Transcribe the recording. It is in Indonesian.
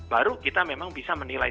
baru kita memang bisa menilai